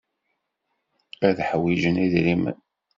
Ad ḥwijen idrimen.